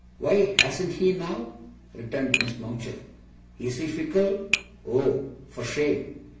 'Why, hasn't he now?' returned Miss Mowcher. 'Is he fickle? Oh, for shame!